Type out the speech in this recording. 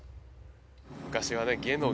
昔はね